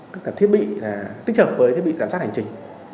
tức là thiết bị tích hợp với thiết bị giám sát hành trình